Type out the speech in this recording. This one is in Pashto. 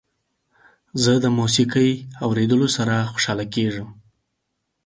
زه د موسيقۍ اوریدلو سره خوشحاله کیږم.